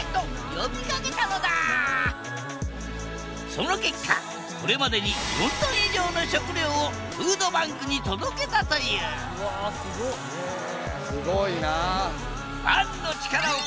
その結果これまでに４トン以上の食料をフードバンクに届けたというすごいな。